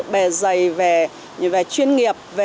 bề dày về chuyên nghiệp